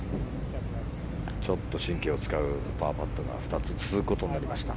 ちょっと神経を使うパーパットが続くことになりました。